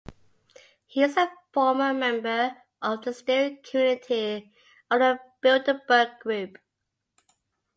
He is a former member of the Steering Committee of the Bilderberg Group.